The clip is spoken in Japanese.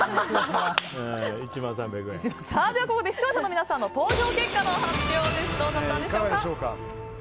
ここで視聴者の皆さんの投票結果の発表です。